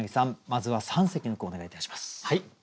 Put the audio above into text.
まずは三席の句をお願いいたします。